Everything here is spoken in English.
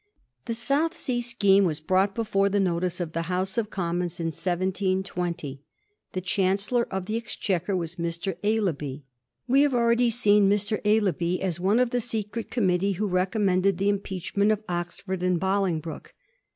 The South Sea scheme was brought before the notice of the House of Commons in 1720. The Chancellor of the Exchequer was Mr. Aislabie. We have already seen Mr. Aislabie as one of the secret committee who recommended the impeach ment of Oxford and Bolingbroke.